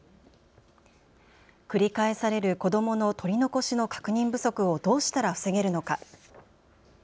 繰り返される子どもの取り残しの確認不足をどうしたら防げるのか。